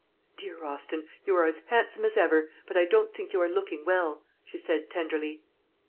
"Dear Austin, you are as handsome as ever; but I don't think you are looking well," she said tenderly.